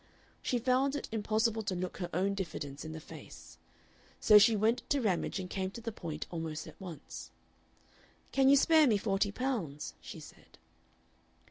She found it impossible to look her own diffidence in the face. So she went to Ramage and came to the point almost at once. "Can you spare me forty pounds?" she said.